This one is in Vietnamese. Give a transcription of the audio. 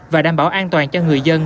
và đảm bảo an toàn cho người dân